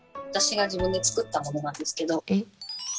私が自分で作ったものなんですけど。